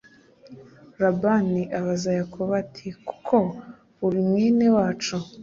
labani abaza yakobo ati kuko uri mwene wacu